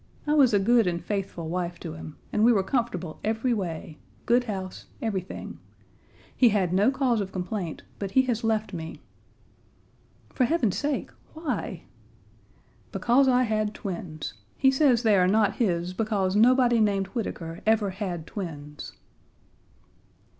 I was a good and faithful wife to him, and we were comfortable every way good house, everything. He had no cause of complaint, but he has left me." "For heaven's sake! Why?" "Because I had twins. He says they are not his because nobody named Whitaker ever had twins."